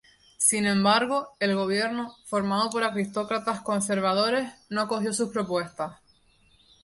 Sin embargo, el gobierno, formado por aristócratas conservadores no acogió sus propuestas.